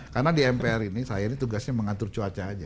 karena di mpr ini saya ini tugasnya mengatur cuaca aja